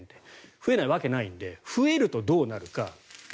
増えないわけがないんで増えるとどうなるか。